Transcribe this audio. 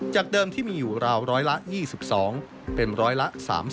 เดิมที่มีอยู่ราวร้อยละ๒๒เป็นร้อยละ๓๐